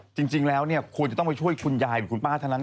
จริงแล้วเนี่ยควรจะต้องไปช่วยคุณยายหรือคุณป้าเท่านั้น